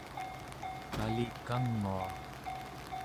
kalikangua